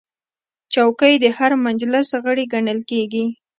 چوکۍ د هر مجلس غړی ګڼل کېږي.